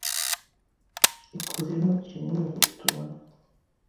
Ikuzimu kinini kitubona